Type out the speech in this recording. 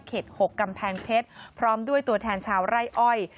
๖กำแพงเพชรพร้อมด้วยตัวแทนชาวไร่อ้อย